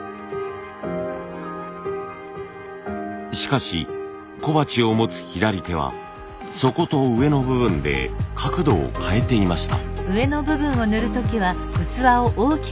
しかし小鉢を持つ左手は底と上の部分で角度を変えていました。